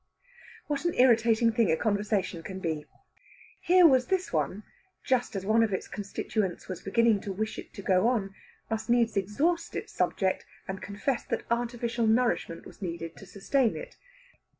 What an irritating thing a conversation can be! Here was this one, just as one of its constituents was beginning to wish it to go on, must needs exhaust its subject and confess that artificial nourishment was needed to sustain it.